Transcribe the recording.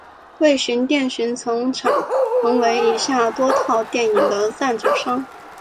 卫讯电讯曾成为以下多套电影的赞助商。